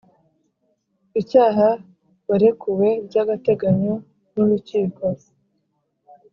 icyaha warekuwe by agateganyo n urukiko